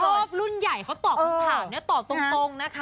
รอบรุ่นใหญ่เขาตอบทุกข่าวเนี่ยตอบตรงนะคะ